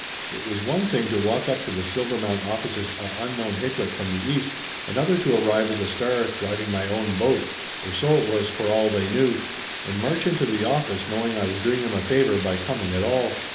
It was one thing to walk up to the Silvermount offices a unknown hicklette from the East, another to arrive as a star, driving my own boat, or so it was for all they knew, and march into the office knowing I was doing them a favor by coming at all.